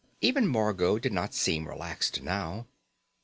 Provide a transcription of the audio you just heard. Even Margot did not seem relaxed now.